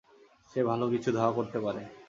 সে ভালো পিছু ধাওয়া করতে পারে।